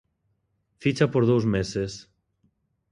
Ficha por dous meses.